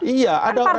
iya ada orang lain